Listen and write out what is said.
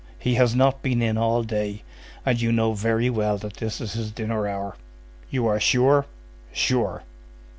"He has not been in all day, and you know very well that this is his dinner hour." "You are sure?" "Sure."